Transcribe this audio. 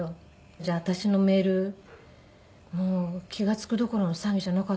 じゃあ私のメール気が付くどころの騒ぎじゃなかったのかな？